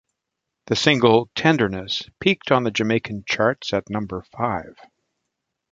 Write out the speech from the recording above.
The single "Tenderness" peaked on the Jamaican charts at number five.